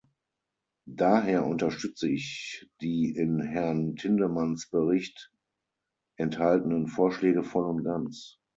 Daher unterstütze ich die in Herrn Tindemans Bericht enthaltenen Vorschläge voll und ganz.